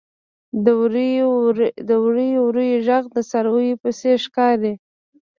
• د وریو وریو ږغ د څارويو په څېر ښکاري.